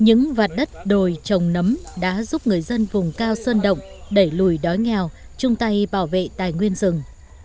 những vạt đất đồi trồng nấm đã giúp người dân vùng cao sơn động đẩy lùi đói nghèo chung tay bảo vệ tài nguyên rừng